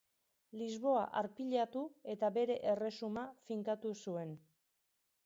Lisboa arpilatu eta bere erresuma finkatu zuen.